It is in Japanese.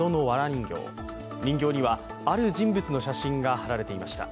人形には、ある人物の写真が貼られていました。